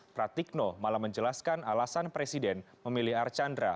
pratikno malah menjelaskan alasan presiden memilih archandra